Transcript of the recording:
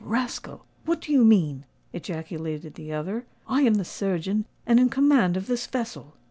"Rascal! what do you mean?" ejaculated the other; "I am the surgeon, and in command of this vessel.